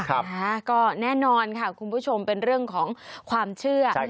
ค่ะก็แน่นอนค่ะคุณผู้ชมเป็นเรื่องของความเชื่อ